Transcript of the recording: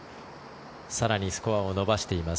更に、スコアを伸ばしています